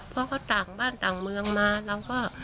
เพราะเขาต่างบ้านต่างเมืองมาเราก็